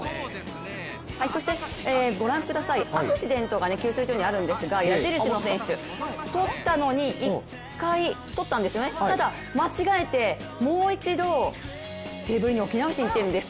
そして、アクシデントが給水所にあるんですが矢印の選手、１回取ったのにただ、間違えてもう一度テーブルに置き直しにいってるんです。